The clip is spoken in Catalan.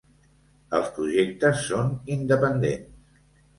Els projectes són independents.